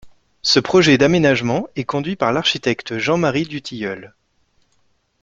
Ce projet d'aménagement est conduit par l'architecte Jean-Marie Duthilleul.